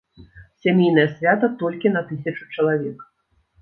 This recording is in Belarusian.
Сямейнае свята, толькі на тысячу чалавек.